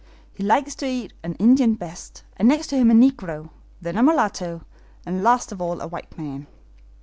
He likes to eat an Indian best, and next to him a negro, then a mulatto, and last of all a white man."